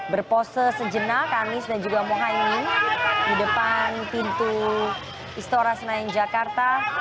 berpose sejenak anies dan juga mohaimin di depan pintu istora senayan jakarta